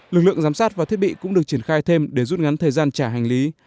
lực lượng giám sát và thiết bị cũng được triển khai thêm để rút ngắn thời gian trả hành lý